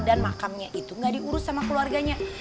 dan makamnya itu gak diurus sama keluarganya